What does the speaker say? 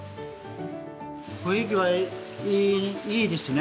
雰囲気はいいですね